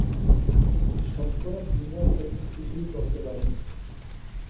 শতকরা বিশ ভাগ ক্ষেত্রে কিছুই করতে পারিনি।